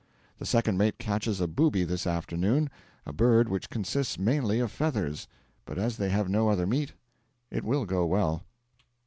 The second mate catches a booby this afternoon, a bird which consists mainly of feathers; 'but as they have no other meat, it will go well.'